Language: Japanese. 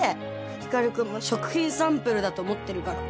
光くんも食品サンプルだと思ってるから。